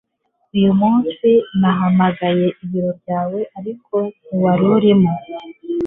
Uyu munsi nahamagaye ibiro byawe ariko ntiwari urimo